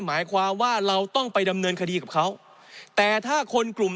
หมายความว่าเราต้องไปดำเนินคดีกับเขาแต่ถ้าคนกลุ่ม